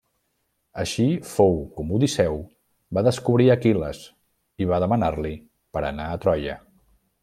Així fou com Odisseu va descobrir Aquil·les i va demanar-li per anar a Troia.